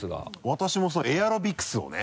私もそうエアロビクスをね。